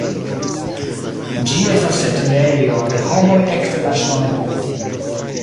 Ĝi estas setlejo de homoj ekde la Ŝtonepoko.